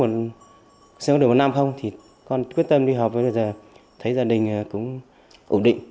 trước một năm không con quyết tâm đi học và bây giờ thấy gia đình cũng ổn định